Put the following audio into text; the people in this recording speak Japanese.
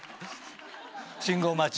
信号待ち